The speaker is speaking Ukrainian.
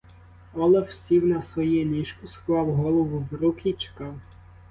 Олаф сів на своє ліжко, сховав голову в руки й чекав.